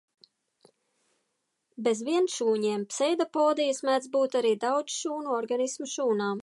Bez vienšūņiem pseidopodijas mēdz būt arī daudzšūnu organismu šūnām.